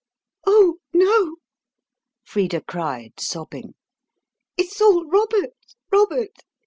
"Oh, no," Frida cried, sobbing. "It's all Robert, Robert!